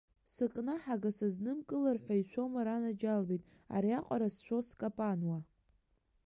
Сыкнаҳага сазнымкылар ҳәа ишәома, ранаџьалбеит, ариаҟара сшәо, скапануа?